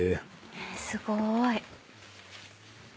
すごーい。